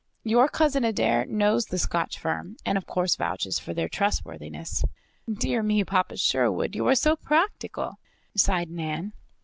Your Cousin Adair knows the Scotch firm, and of course vouches for their trustworthiness." "Dear me, Papa Sherwood, you are so practical!" sighed Nan.